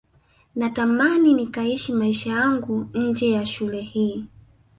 natamani nikaishi maisha yangu nje ya shule hii